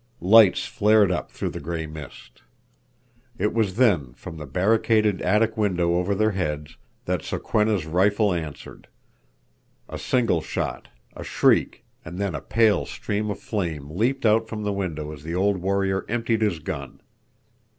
Lights flared up through the gray mist. It was then, from the barricaded attic window over their heads, that Sokwenna's rifle answered. A single shot, a shriek, and then a pale stream of flame leaped out from the window as the old warrior emptied his gun.